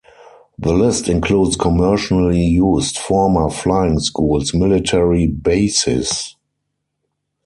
The list includes commercially used, former, flying schools, military bases.